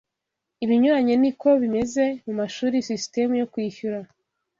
Ibinyuranye niko bimeze mumashuri sisitemu yo kwishyura